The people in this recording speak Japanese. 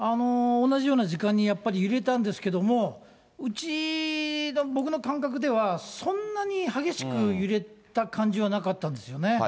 同じような時間にやっぱり揺れたんですけども、うちの、僕の感覚では、そんなに激しく揺れた感じはなかったんですよね。